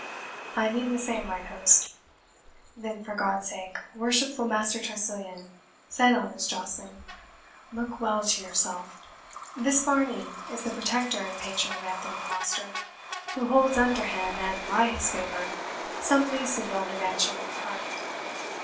"I mean the same, mine host." "Then, for God's sake, worshipful Master Tressilian," said honest Gosling, "look well to yourself. This Varney is the protector and patron of Anthony Foster, who holds under him, and by his favour, some lease of yonder mansion and the park.